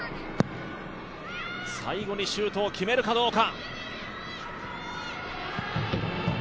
最後にシュートを決めるかどうか。